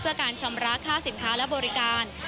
เพื่อการชำระค่าสินค้าและบริการ